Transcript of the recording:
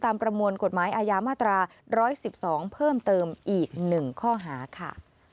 ประมวลกฎหมายอาญามาตรา๑๑๒เพิ่มเติมอีก๑ข้อหาค่ะ